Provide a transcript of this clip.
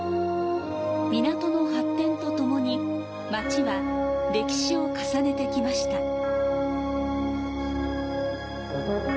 港の発展とともに、街は歴史を重ねてきました。